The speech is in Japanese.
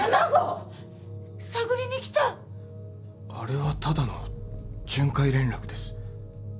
あれはただの巡回連絡です。